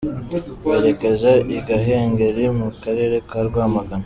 Werekeza i Gahengeri mu Karere ka Rwamagana.